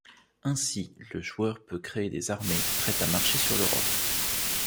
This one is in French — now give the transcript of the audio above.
Ainsi, le joueur peut créer des armées prêtes à marcher sur l'Europe.